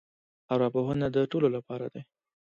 ارواپوهنه د ټولو لپاره دی.